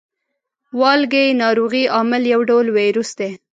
والګی ناروغۍ عامل یو ډول ویروس دی.